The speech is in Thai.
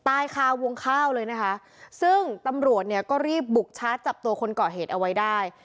ตายคาวงข้าวเลยนะคะซึ่งตำรวจเนี่ยก็รีบบุกชาร์จจับตัวคนก่อเหตุเอาไว้ได้